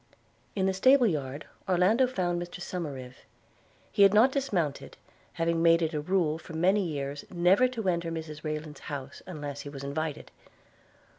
In the stable yard Orlando found Mr Somerive. He had not dismounted, having made it a rule for many years never to enter Mrs Rayland's house unless he was invited.